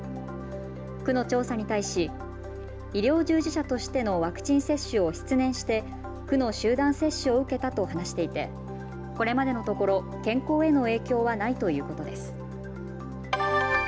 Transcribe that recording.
区の調査に対し医療従事者としてのワクチン接種を失念して区の集団接種を受けたと話していてこれまでのところ健康への影響はないということです。